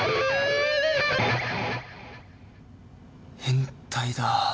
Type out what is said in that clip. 変態だ。